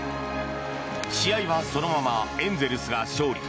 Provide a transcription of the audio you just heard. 試合はそのままエンゼルスが勝利。